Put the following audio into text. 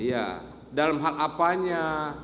iya dalam hal apanya